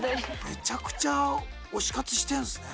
めちゃくちゃ推し活してるんですね。